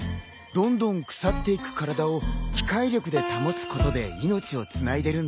どんどん腐っていく体を機械力で保つことで命をつないでるんだ。